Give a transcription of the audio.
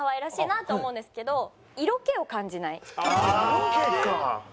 色気か。